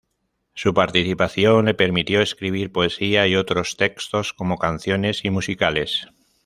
Su participación le permitió escribir poesía y otros textos como canciones y musicales.